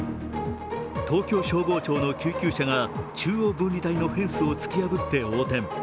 東京消防庁の救急車が中央分離帯のフェンスを突き破って横転。